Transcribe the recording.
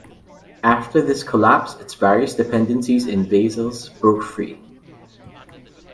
After this collapse, its various dependencies and vassals broke free.